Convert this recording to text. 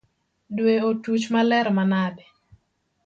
Due otuch maler manade .